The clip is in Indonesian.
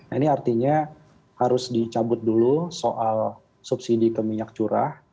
ini artinya harus dicabut dulu soal subsidi ke minyak curah